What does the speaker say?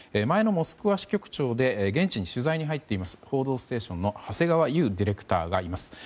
前のモスクワ支局長で現地に取材に入っています「報道ステーション」の長谷川由宇ディレクターがいます。